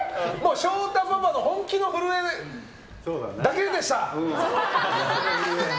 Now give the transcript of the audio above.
翔太パパの本気の震えだけでした。